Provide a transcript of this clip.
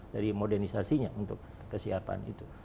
dari modernisasinya untuk kesiapan itu